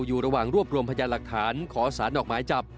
อยู่ระหว่างรวบรวมพยานหลักฐานขอสารออกหมายจับ